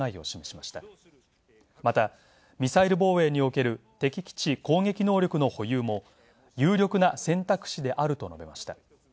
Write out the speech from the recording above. また、ミサイル防衛における敵基地攻撃能力の保有も「有力な選択肢である」と述べました。